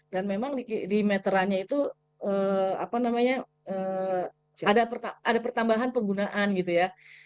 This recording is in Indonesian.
dan memang di meterannya itu ada pertambahan penggunaan gitu ya